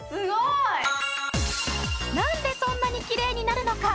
なんでそんなにきれいになるのか？